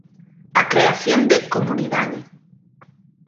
A creación de comunidade.